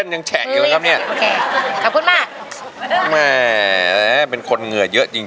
ใส้เป็นคนเหงื่อเยอะจริง